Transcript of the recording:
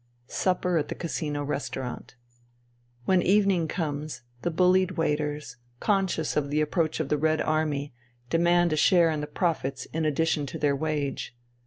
Supper at the Casino restaurant. When evening comes the bullied waiters, conscious of the approach of the Red Army, demand a share in the profits in addition to their wage.